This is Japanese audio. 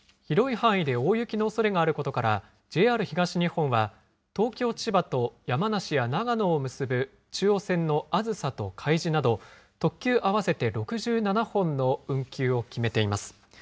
広い範囲で大雪のおそれがあることから、ＪＲ東日本は、東京、千葉と山梨や長野を結ぶ中央線のあずさとかいじなど、特急合わせて６７本の運休を決めています。